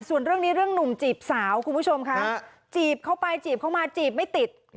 ส่วนเรื่องนี้เรื่องหนุ่มจีบสาวคุณผู้ชมค่ะจีบเข้าไปจีบเข้ามาจีบไม่ติด